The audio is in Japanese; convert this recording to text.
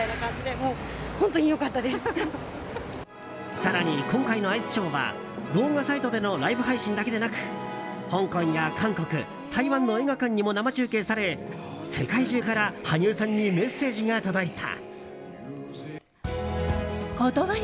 更に、今回のアイスショーは動画サイトでのライブ配信だけでなく香港や韓国、台湾の映画館にも生中継され世界中から羽生さんにメッセージが届いた。